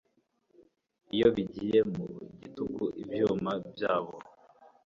Iyo binjiye mu gitugu ibyuma byabo